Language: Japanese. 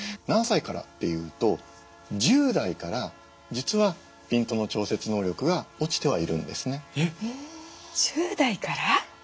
何歳からっていうと１０代から実はピントの調節能力が落ちてはいるんですね。